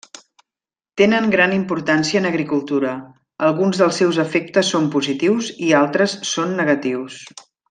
Tenen gran importància en agricultura, alguns dels seus efectes són positius i altres són negatius.